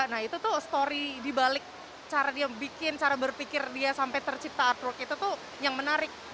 nah itu tuh story dibalik cara dia bikin cara berpikir dia sampai tercipta artwork itu tuh yang menarik